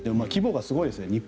規模がすごいですね。